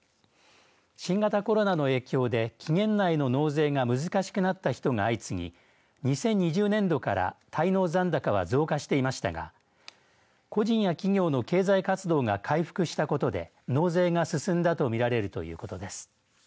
新型コロナの影響で期限内の納税が難しくなった人が相次ぎ２０２０年度から滞納残高は増加していましたが個人や企業の経済活動が回復したことで納税が進んだと見られるということです。